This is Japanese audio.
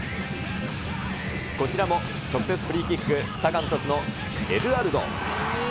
こちらも直接フリーキック、サガン鳥栖のエドゥアルド。